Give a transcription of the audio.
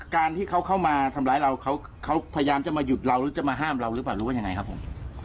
การที่เขาเข้ามาทำร้ายเราเขาพยายามจะมาหยุดเราหรือจะมาห้ามเราหรือเปล่าหรือว่ายังไงครับผม